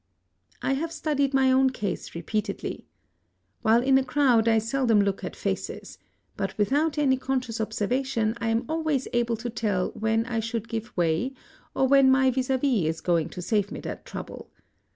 I have studied my own case repeatedly. While in a crowd I seldom look at faces; but without any conscious observation I am always able to tell when I should give way, or when my vis à vis is going to save me that trouble.